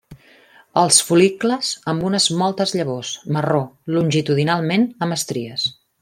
Els fol·licles amb unes moltes llavors, marró, longitudinalment amb estries.